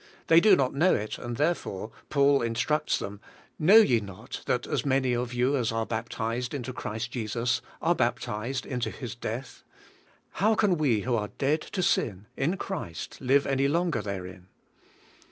They do not know it, and there fore Paul instructs them: "Know ye not that as many of you as are baptized into Christ Jesus, are baptized into His death." How can we who are dead to sin in Christ live any longer therein